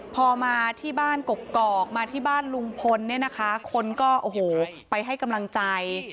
พอมาที่บ้านกกอกมาที่บ้านลุงพลคนก็ไปให้กำลังใจ